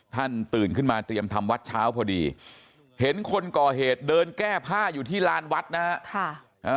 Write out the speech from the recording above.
ตื่นขึ้นมาเตรียมทำวัดเช้าพอดีเห็นคนก่อเหตุเดินแก้ผ้าอยู่ที่ลานวัดนะฮะ